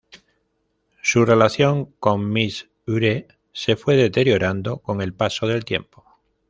Su relación con Midge Ure se fue deteriorando con el paso del tiempo.